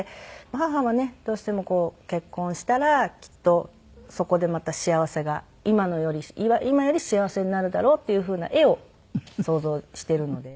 母はねどうしてもこう結婚したらきっとそこでまた幸せが今より幸せになるだろうっていうふうな絵を想像しているので。